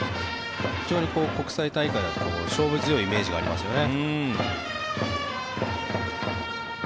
国際大会で勝負強いイメージがありますよね。